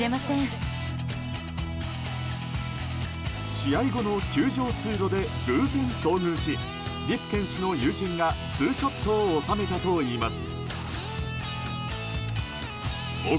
試合後の球場通路で偶然遭遇しリプケン氏の友人がツーショットを収めたといいます。